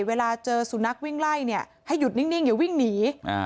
เวลาเจอสุนัขวิ่งไล่เนี่ยให้หยุดนิ่งอย่าวิ่งหนี